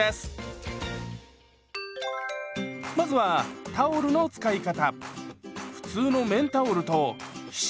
まずはタオルの使い方。